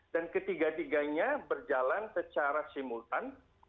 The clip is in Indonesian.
dan ketiga tiganya berjalan secara simultan